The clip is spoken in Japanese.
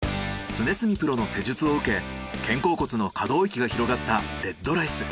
常住プロの施術を受け肩甲骨の可動域が広がったＲＥＤＲＩＣＥ。